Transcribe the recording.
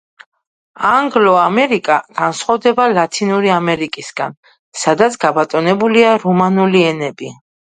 ანგლო-ამერიკა განსხვავდება ლათინური ამერიკისგან, სადაც გაბატონებულია რომანული ენები.